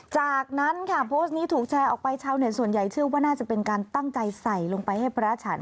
จากนั้นค่ะโพสต์นี้ถูกแชร์ออกไปชาวเน็ตส่วนใหญ่เชื่อว่าน่าจะเป็นการตั้งใจใส่ลงไปให้พระฉัน